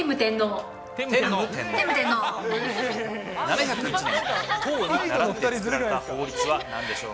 ７０１年、唐にならって作られた法律はなんでしょう？